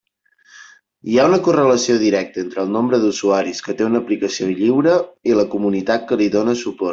Hi ha una correlació directa entre el nombre d'usuaris que té una aplicació lliure i la comunitat que li dóna suport.